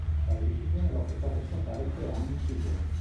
Tale decisione lo ha portato a scontare tre anni in prigione.